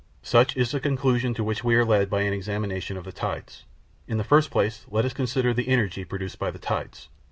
Such is the conclusion to which we are led by an examination of the tides. In the first place let us consider the energy produced by the tides.